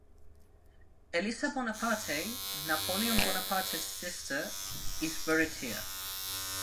Elisa Bonaparte, Napoleon Bonaparte's sister, is buried here.